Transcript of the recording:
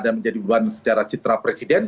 dan menjadi buan sedara citra presiden